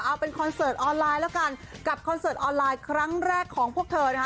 เอาเป็นคอนเสิร์ตออนไลน์แล้วกันกับคอนเสิร์ตออนไลน์ครั้งแรกของพวกเธอนะคะ